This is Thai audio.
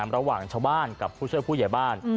ระหว่างชาวบ้านกับผู้ช่วยผู้ใหญ่บ้าน